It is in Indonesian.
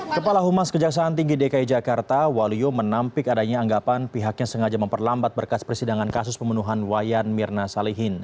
kepala humas kejaksaan tinggi dki jakarta waluyo menampik adanya anggapan pihaknya sengaja memperlambat berkas persidangan kasus pembunuhan wayan mirna salihin